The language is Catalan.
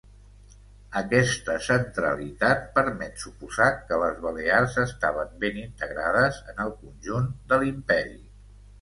Aquesta centralitat permet suposar que les Balears estaven ben integrades en el conjunt de l'imperi.